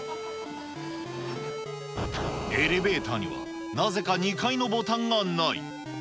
エレベーターにはなぜか２階のボタンがない。